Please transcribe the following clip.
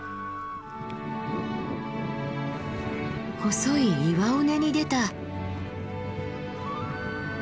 細い岩尾根に出た。